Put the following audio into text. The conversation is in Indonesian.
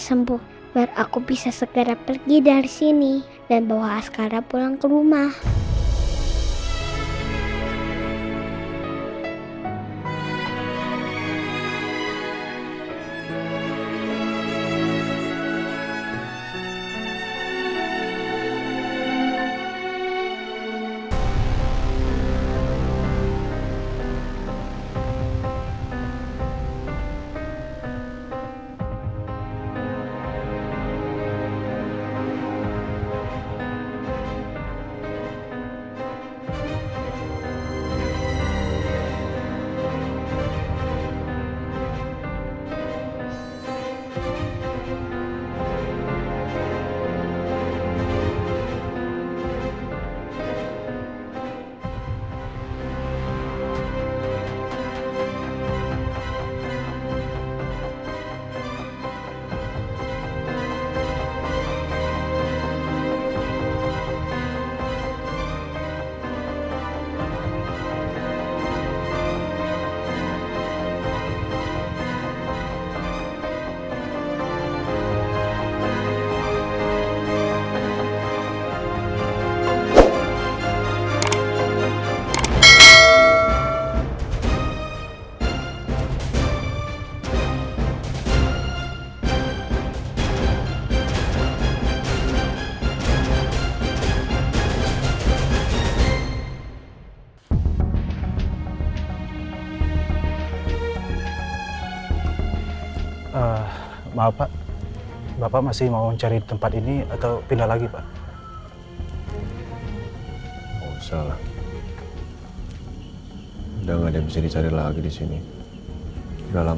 enggak boleh nyerah